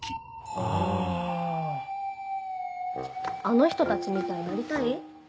あの人たちみたいになりたい？